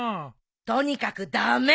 とにかく駄目！